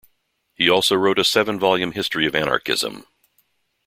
He also wrote a seven volume history of anarchism.